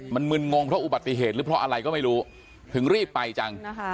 มันมึนงงเพราะอุบัติเหตุหรือเพราะอะไรก็ไม่รู้ถึงรีบไปจัง